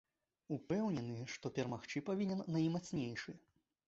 Упэўнены, што перамагчы павінен наймацнейшы.